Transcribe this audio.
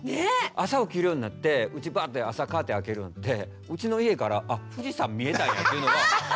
朝起きるようになってうちバーって朝カーテン開けるんでうちの家から「あ富士山見えたんや！」というのが。